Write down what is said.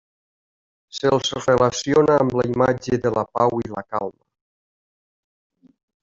Se'ls relaciona amb la imatge de la pau i la calma.